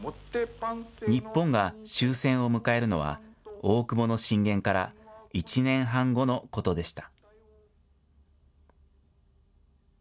日本が終戦を迎えるのは大久保の進言から１年半後のことでした。